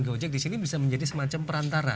gojek disini bisa menjadi semacam perantara